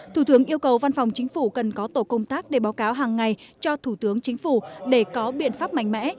thủ tướng yêu cầu văn phòng chính phủ cần có tổ công tác để báo cáo hàng ngày cho thủ tướng chính phủ để có biện pháp mạnh mẽ